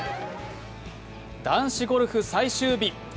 男子ゴルフ最終日。